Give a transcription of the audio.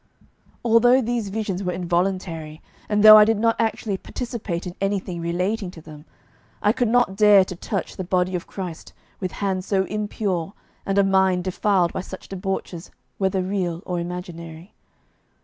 Although these visions were involuntary, and though I did not actually participate in anything relating to them, I could not dare to touch the body of Christ with hands so impure and a mind defiled by such debauches whether real or imaginary.